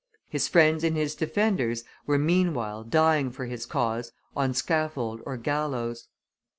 His friends and his defenders were meanwhile dying for his cause on scaffold or gallows.